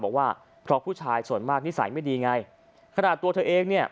บอกว่าเพราะผู้ชายส่วนมากนิสัยไม่ดีไงขนาดตัวเธอเองเนี่ย